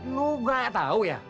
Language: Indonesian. lu nggak tahu ya